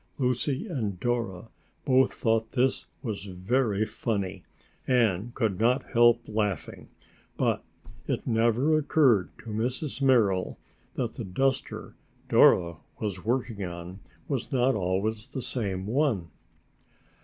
Lucy and Dora both thought this was very funny, and could not help laughing, but it never occurred to Mrs. Merrill that the duster Dora was working on was not always the same one.